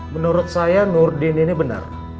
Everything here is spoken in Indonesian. menurut saya nur dini ini benar